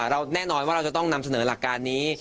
แน่นอนว่าเราจะต้องนำเสนอหลักการนี้